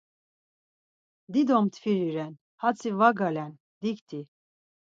Dido mtviri ren, hatzi var galen, dikti!